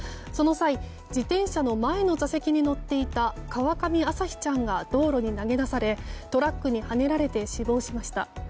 その際自転車の前の座席に乗っていた川上朝輝ちゃんが道路に投げ出されトラックにはねられて死亡しました。